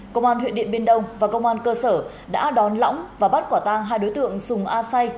công an huyện điện biên đông và công an cơ sở đã đón lõng và bắt quả tang hai đối tượng sùng a say